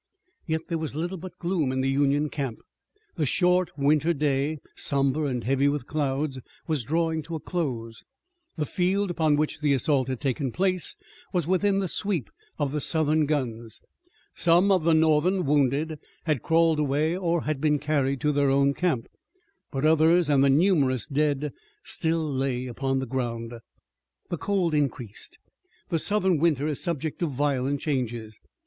Yet there was little but gloom in the Union camp. The short winter day, somber and heavy with clouds, was drawing to a close. The field upon which the assault had taken place was within the sweep of the Southern guns. Some of the Northern wounded had crawled away or had been carried to their own camp, but others and the numerous dead still lay upon the ground. The cold increased. The Southern winter is subject to violent changes.